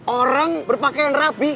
orang berpakaian rapi